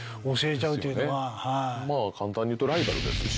まぁ簡単に言うとライバルですし。